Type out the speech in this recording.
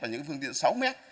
và những cái phương tiện sáu mét